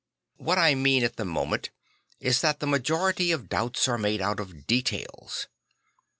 What I mean at the moment is that the majority of doubts are made out of details.